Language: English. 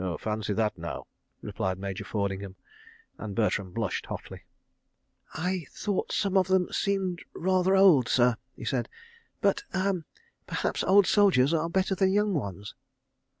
"Fancy that, now," replied Major Fordinghame, and Bertram blushed hotly. "I thought some of them seemed rather old, sir," he said, "but—er—perhaps old soldiers are better than young ones?"